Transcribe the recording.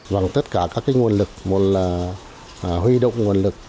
bằng tất cả các nguồn lực một là huy động nguồn lực